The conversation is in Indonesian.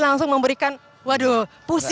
langsung memberikan waduh